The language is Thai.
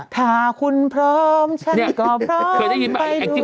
ถ้าคุณพร้อมฉันก็พร้อมไปด้วยเกิน